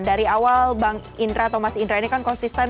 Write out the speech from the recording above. dari awal bang indra tomas indra ini kan konsisten